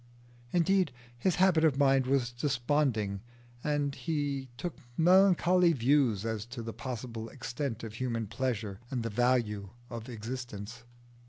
Indeed his habit of mind was desponding, and he took melancholy views as to the possible extent of human pleasure and the value of existence.